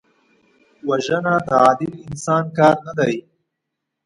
وژنه د عادل انسان کار نه دی